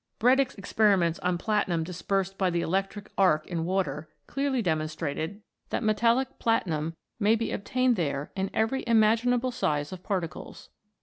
Bredig's experiments on plati num dispersed by the electric arc in water clearly demonstrated that metallic platinum may be obtained there in every imaginable size of particles.